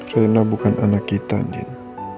karena bukan anak kita nin